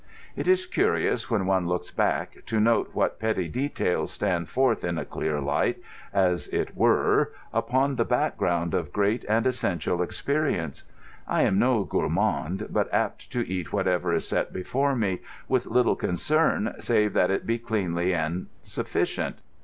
It is curious, when one looks back, to note what petty details stand forth in a clear light, as it were, upon the background of great and essential experience. I am no gourmand, but apt to eat whatever is set before me, with little concern save that it be cleanly and sufficient.